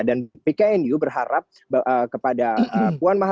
dan pknu berharap kepada puan mahalani bisa memperbaikinya